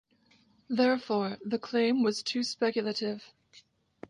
Therefore, the claim was too speculative.